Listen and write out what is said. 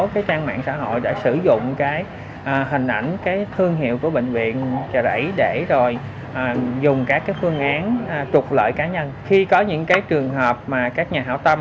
các phương án trục lợi cá nhân khi có những trường hợp mà các nhà hậu tâm